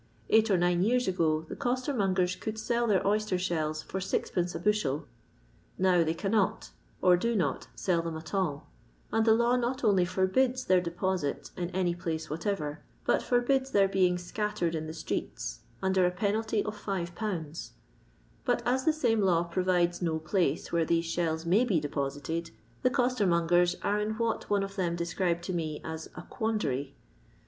Bight or nine yeirs ago the costermongers could sell their oyster shells for 6c2. a bushel Now they cannot, or do not, sell them at all; and the law not only forbids their deposit in any place whatever, but forbids their being scattered in the streets, under a penalty of 5/. But as the same law provides no place where these shells may be ' deposited, the costermongers are in what one of them described to me as "a quandary."